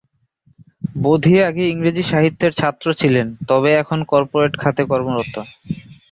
বোধি আগে ইংরেজি সাহিত্যের ছাত্র ছিলেন, তবে এখন কর্পোরেট খাতে কর্মরত।